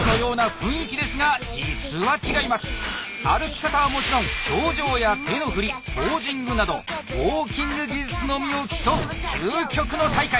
歩き方はもちろん表情や手の振りポージングなどウォーキング技術のみを競う究極の大会。